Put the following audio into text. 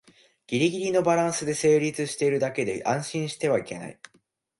ギリギリのバランスで成立してるだけで安心してはいけない